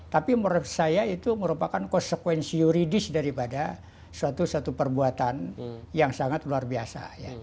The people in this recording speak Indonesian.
tapi menurut saya itu merupakan konsekuensi yuridis daripada suatu suatu perbuatan yang sangat luar biasa